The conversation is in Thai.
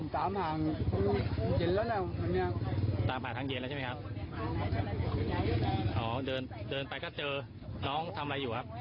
ตามหาทางเย็นแล้วนะตามหาทางเย็นแล้วใช่ไหมครับอ๋อเดินไปก็เจอน้องทำอะไรอยู่ครับ